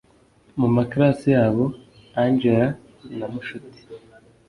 mumaclass yabo angella na mushuti